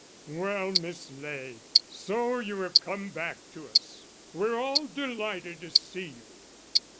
"Well, Miss Ley. So you have come back to us. We're all delighted to see you."